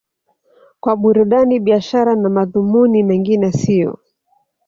kwa burudani biashara na madhumuni mengine siyo